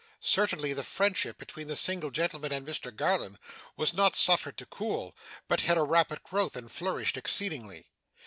Certainly the friendship between the single gentleman and Mr Garland was not suffered to cool, but had a rapid growth and flourished exceedingly.